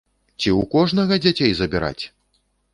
Ці ў кожнага дзяцей забіраць!